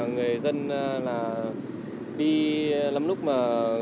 người dân đi lắm lúc mà